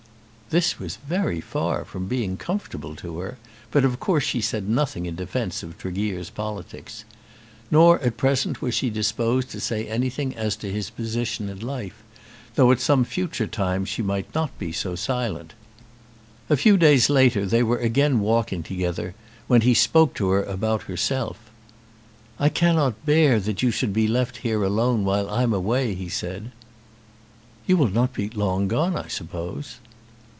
This was very far from being comfortable to her, but of course she said nothing in defence of Tregear's politics. Nor at present was she disposed to say anything as to his position in life, though at some future time she might not be so silent. A few days later they were again walking together, when he spoke to her about herself. "I cannot bear that you should be left here alone while I am away," he said. "You will not be long gone, I suppose?"